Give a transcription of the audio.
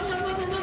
何？